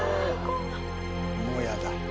もやだ。